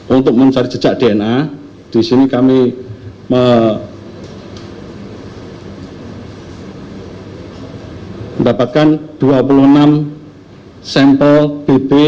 untuk mencari jejak dna disini kami mendapatkan dua puluh enam sampel bb